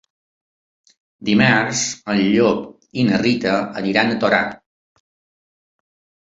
Dimarts en Llop i na Rita aniran a Torà.